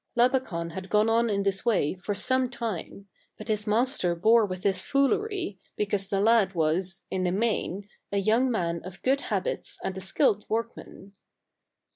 Labakan had gone on in this way for some time ; but his master bore with his foolery, be cause the lad was, in the main, a young man of good habits and a skilled workman.